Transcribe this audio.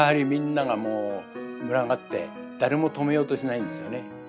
みんながもう群がって誰も止めようとしないんですよね。